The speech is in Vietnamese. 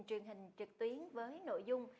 truyền hình trực tuyến với nội dung